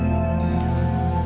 tidak ada yang bisa diberikan